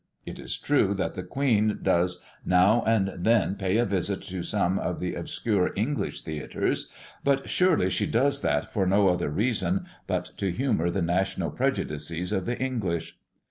It is true that the Queen does now and then pay a visit to some of the obscure English theatres; but surely she does that for no other reason but to humour the national prejudices of the English.